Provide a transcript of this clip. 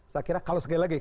saya kira kalau sekali lagi